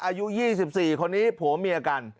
อายุ๒๔คนนี้ผัวเมียกัน